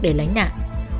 để lãnh nạn